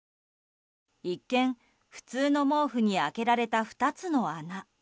一見、普通の毛布に開けられた２つの穴。